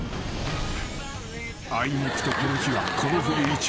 ［あいにくとこの日は］